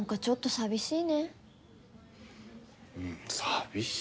寂しい。